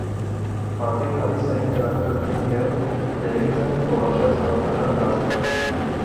Մարդիկ գալիս էին, հետաքրքրվում և Դևիդը որոշեց հավաքական կազմել։